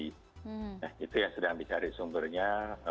nah itu yang sedang dicari sumbernya